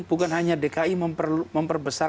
bukan hanya dki memperbesar